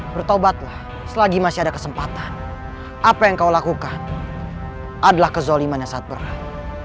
berobatlah selagi masih ada kesempatan apa yang kau lakukan adalah kezalimannya saat berat